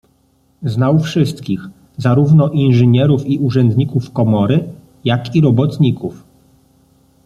Znał wszystkich - zarówno inżynierów i urzędników komory jak i robotników.